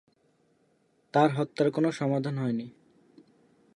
তার হত্যার কোনো সমাধান হয়নি।